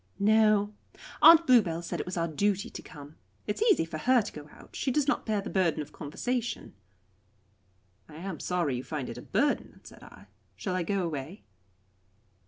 "No. Aunt Bluebell said it was our duty to come. It is easy for her to go out; she does not bear the burden of the conversation." "I am sorry you find it a burden," said I. "Shall I go away?"